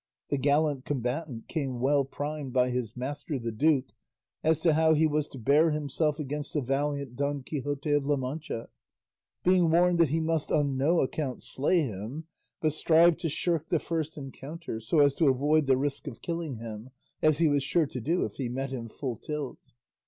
The gallant combatant came well primed by his master the duke as to how he was to bear himself against the valiant Don Quixote of La Mancha; being warned that he must on no account slay him, but strive to shirk the first encounter so as to avoid the risk of killing him, as he was sure to do if he met him full tilt.